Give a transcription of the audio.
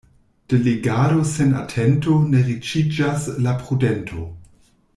De legado sen atento ne riĉiĝas la prudento.